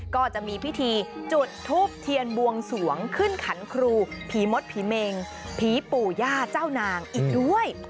ก็จะมีพิธีจุดทูบเทียนบวงสวงขึ้นขันครูผีมดผีเมงผีปู่ย่าเจ้านางอีกด้วย